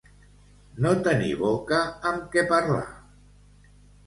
No tenir boca amb què parlar.